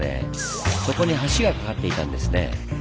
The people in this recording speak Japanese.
そこに橋が架かっていたんですね。